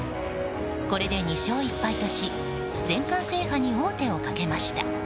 これで２勝１敗とし全冠制覇に王手をかけました。